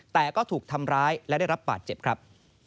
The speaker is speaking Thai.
แต่ก็ถูกทำร้ายและได้รับบาดเจ็บครับ